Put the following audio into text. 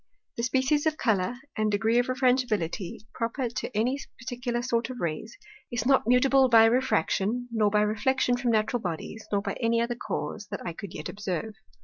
The Species of Colour, and Degree of Refrangibility proper to any particular sort of Rays, is not mutable by Refraction, nor by Reflection from Natural Bodies, nor by any other Cause, that I could yet observe.